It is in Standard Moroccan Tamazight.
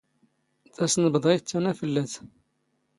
ⵜⴰⵙⵏⴱⴹⴰⵢⵜ ⵜⴰⵏⴰⴼⵍⵍⴰⵜ.